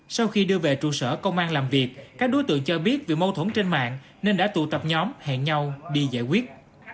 sau khi đưa về trụ sở công an làm việc các đối tượng cho biết vì mâu thuẫn trên mạng nên đã tụ tập nhóm hẹn nhau đi giải quyết